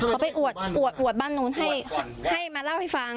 เขาไปอวดบ้านนู้นให้มาเล่าให้ฟัง